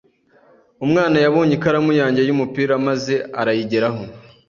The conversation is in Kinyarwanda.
Umwana yabonye ikaramu yanjye y'umupira maze arayigeraho.